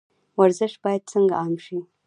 ورزش باید څنګه عام شي؟